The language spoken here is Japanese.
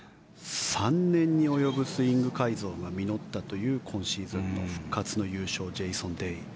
３年に及ぶスイング改造が実ったという今シーズンの復活の優勝ジェイソン・デイ。